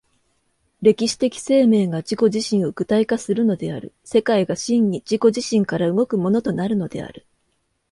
歴史的生命が自己自身を具体化するのである、世界が真に自己自身から動くものとなるのである。